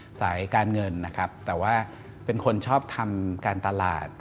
สายการเงินนะครับแต่ว่าเป็นคนชอบทำการตลาด